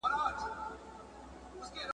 له جهاني څخه به اورو یو کتاب غزلي ,